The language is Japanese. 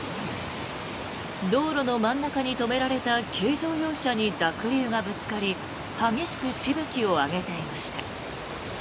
道路の真ん中に止められた軽乗用車に濁流がぶつかり激しくしぶきを上げていました。